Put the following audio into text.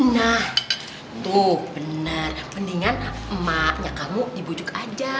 nah tuh benar mendingan emaknya kamu dibujuk aja